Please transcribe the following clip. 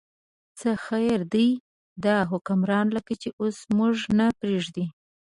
څه خیر دی، دا حکمران لکه چې اوس موږ نه پرېږدي.